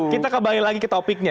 kita kembali lagi ke topiknya